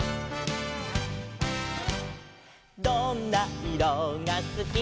「どんないろがすき」「」